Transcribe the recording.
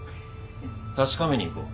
確かめに行こう。